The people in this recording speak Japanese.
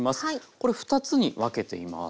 これ２つに分けています。